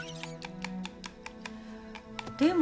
でも。